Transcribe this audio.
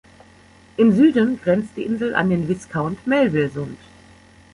Im Süden grenzt die Insel an den Viscount-Melville-Sund.